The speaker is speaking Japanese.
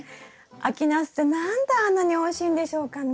秋ナスって何であんなにおいしいんでしょうかね？